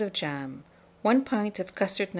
of jam, 1 pint of custard No.